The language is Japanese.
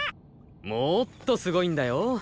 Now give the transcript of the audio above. もっとすごいんだよ。